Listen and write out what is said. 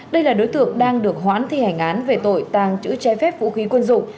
đây là đối tượng đang được hoãn thi hành án về tội tàng trữ trái phép vũ khí quân dụng